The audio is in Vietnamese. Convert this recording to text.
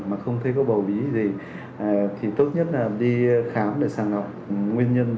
mà không thấy có bầu ví gì thì tốt nhất là đi khám để sàng học nguyên nhân